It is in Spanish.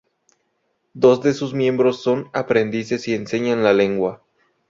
Dos de sus miembros son aprendices y enseñan la lengua.